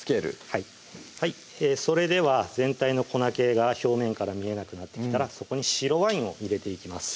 はいそれでは全体の粉けが表面から見えなくなってきたらそこに白ワインを入れていきます